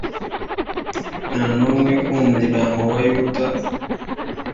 nta numwe wo mu muryango wa yuda